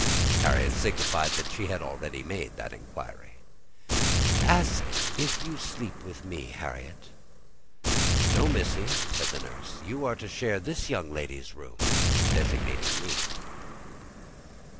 Harriet signified that she had already made that inquiry. "Ask if you sleep with me, Harriet." "No, Missy," said the nurse: "you are to share this young lady's room," designating me.